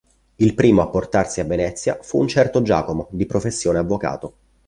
Il primo a portarsi a Venezia fu un certo Giacomo, di professione avvocato.